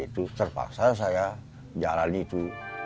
terpaksa saya jalan itu